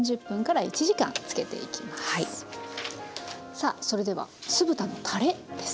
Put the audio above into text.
さあそれでは酢豚のたれです。